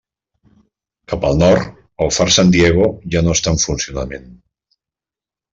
Cap al nord, el far San Diego ja no està en funcionament.